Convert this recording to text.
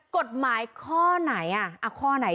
กฎหมายข้อไหน